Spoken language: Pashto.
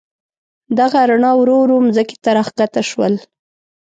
دغه رڼا ورو ورو مځکې ته راکښته شول.